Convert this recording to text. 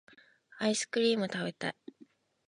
アイスクリームたべたい